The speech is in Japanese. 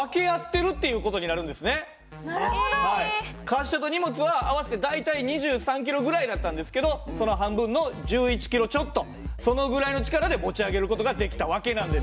滑車と荷物は合わせて大体２３キロぐらいだったんですけどその半分の１１キロちょっとそのぐらいの力で持ち上げる事ができた訳なんです。